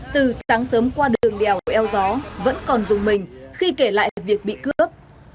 từ sáng sớm qua đường đèo eo gió vẫn còn rung mình khi kể lại việc bị cướp